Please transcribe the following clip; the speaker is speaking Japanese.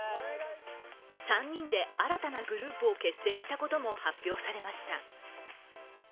３人で新たなグループを結成したことも発表されました。